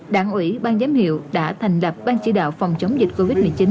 đảng ủy ban giám hiệu đã thành lập ban chỉ đạo phòng chống dịch covid một mươi chín